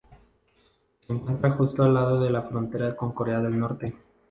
Se encuentra justo al lado de la frontera con Corea del Norte.